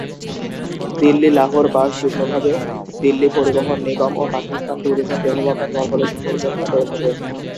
দিল্লি-লাহোর বাস যুগ্মভাবে দিল্লি পরিবহন নিগম ও Pakistan tourism development corporation পরিচালনা করে থাকে।